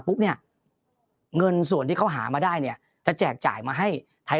ปุ๊บเนี่ยเงินส่วนที่เขาหามาได้เนี่ยจะแจกจ่ายมาให้ไทย